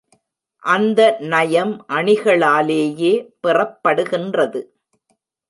அந்த நயம் அணிகளாலேயே பெறப்படுகின்றது.